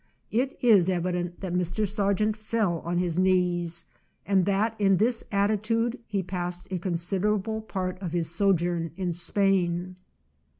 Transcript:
It is evident that Mr. Sargent fell on his knees, and that in this attitude he passed a considerable part of his sojourn in Spain.